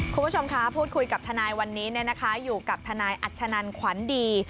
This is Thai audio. คุณผู้ชมคะพูดคุยกับทนายวันนี้อยู่กับทนายอัชนันขวัญดี